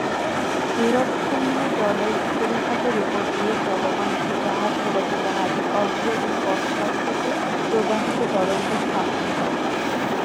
নিরবচ্ছিন্ন জলের উপরিভাগের উপর দিয়ে চলমান একটি জাহাজ মূলত জাহাজের অগ্র এবং পশ্চাৎ থেকে প্রবাহিত তরঙ্গ স্থাপন করে।